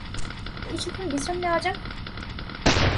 কিছুক্ষণ বিশ্রাম নেওয়া যাক!